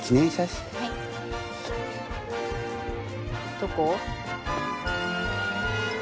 どこ？